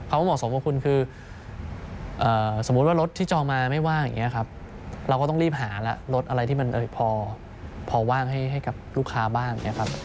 แต่ว่าเหมาะสมบูรณ์คุณคือสมมุติว่ารถที่จอมาไม่ว่างเราก็ต้องรีบหารถอะไรที่มันพอว่างให้กับลูกค้าบ้าง